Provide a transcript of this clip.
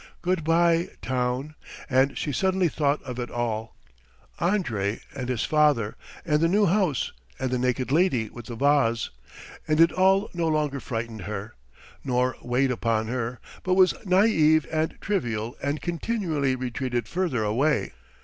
Good bye, town! And she suddenly thought of it all: Andrey, and his father and the new house and the naked lady with the vase; and it all no longer frightened her, nor weighed upon her, but was naïve and trivial and continually retreated further away.